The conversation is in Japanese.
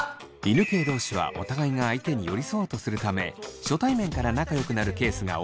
犬系同士はお互いが相手に寄り添おうとするため初対面から仲良くなるケースが多いといいます。